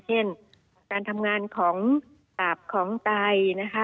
เช่นการทำงานของตับของไตนะคะ